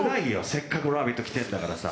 せっかく「ラヴィット！」来てるんだからさ。